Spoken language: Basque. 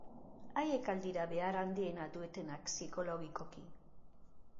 Haiek al dira behar handiena dutenak psikologikoki?